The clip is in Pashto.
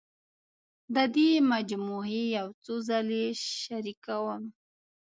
د دې مجموعې یو څو غزلې شریکوم.